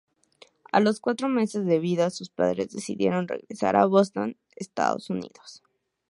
A los cuatro meses de vida, sus padres decidieron regresar a Boston, Estados Unidos.